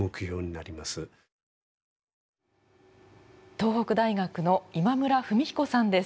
東北大学の今村文彦さんです。